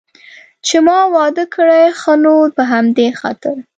چې ما واده کړی، ښه نو په همدې خاطر.